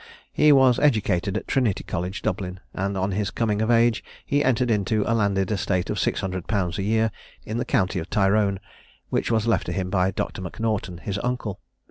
He was educated at Trinity College, Dublin; and on his coming of age he entered into a landed estate of six hundred pounds a year, in the county of Tyrone, which was left him by Dr. M'Naughton, his uncle.